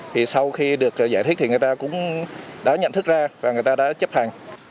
thì sau khi được giải thích thì người ta cũng đã nhận thức ra và người ta đã chấp hành